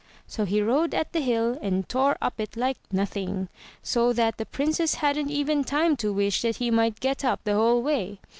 So he rode at the hill, and tore up it like nothing, so that the Princess hadn't even time to wish that he might get up the whole way.